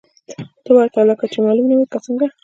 ته ورته لکه چې معلوم نه وې، که څنګه؟